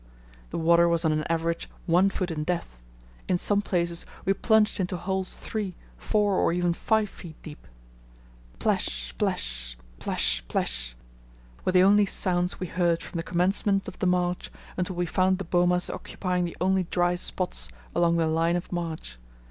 The water was on an average one foot in depth; in some places we plunged into holes three, four, and even five feet deep. Plash, splash, plash, splash, were the only sounds we heard from the commencement of the march until we found the bomas occupying the only dry spots along the line of march.